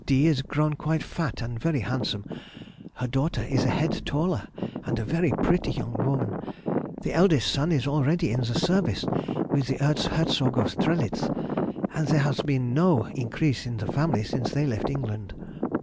D. is grown quite fat and very handsome, her daughter is a head taller and a very pretty young woman; the eldest son is already in the service with the Erz Herzog of Strelitz, and there has been no increase in the family since they left England.